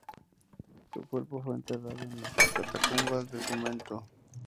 Su cuerpo fue enterrado en las catacumbas del convento.